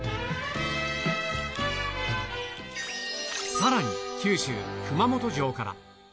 さらに、九州・熊本城から。